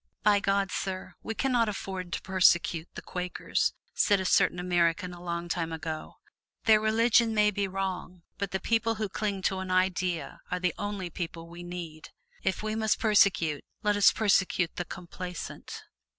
"By God, Sir, we can not afford to persecute the Quakers," said a certain American a long while ago. "Their religion may be wrong, but the people who cling to an idea are the only people we need. If we must persecute, let us persecute the complacent."